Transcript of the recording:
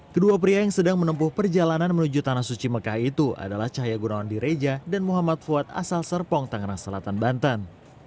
kedua pria yang sedang menempuh perjalanan menuju tanah suci mekah itu adalah cahaya gunawan di reja dan muhammad fuad asal serpong tangerang selatan banten